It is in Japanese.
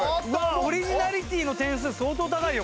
オリジナリティーの点数相当高いよ